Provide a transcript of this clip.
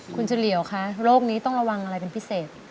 คุณเฉลี่ยวคะโรคนี้ต้องระวังอะไรเป็นพิเศษ